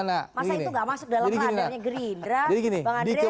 masa itu tidak masuk dalam kelandangnya geri indra